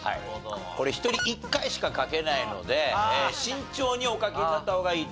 これ１人１回しか書けないので慎重にお書きになった方がいいと思います。